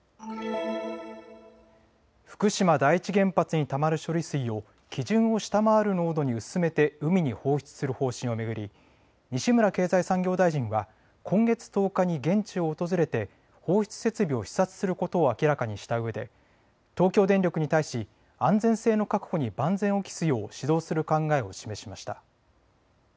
福島第一原発にたまる処理水を基準を下回る濃度に薄めて海に放出する方針を巡り西村経済産業大臣は今月１０日に現地を訪れて放出設備を視察することを明らかにしたうえで東京電力に対し安全性の確保に万全を期すよう指導する考えを示しました。